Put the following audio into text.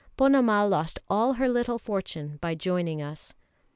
Ponnamal lost all her little fortune by joining us.